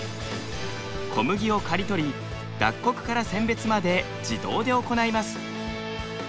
小麦を刈り取り脱穀から選別まで自動で行います。